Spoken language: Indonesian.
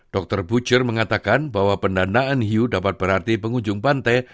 dr bucer mengatakan bahwa pendanaan hiu dapat berarti pengunjung pantai